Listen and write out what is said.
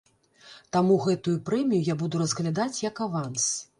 Таму гэтую прэмію я буду разглядаць як аванс.